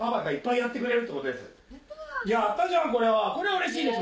やったじゃんこれはこれはうれしいでしょ？